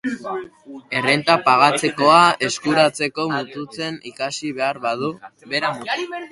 Errenta pagatzekoa eskuratzeko mututzen ikasi behar badu, bera mutu.